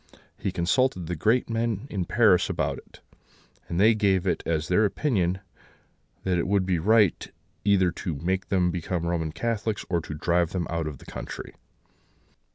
He consulted the great men in Paris about it; and they gave it as their opinion that it would be right either to make them become Roman Catholics, or drive them out of the country.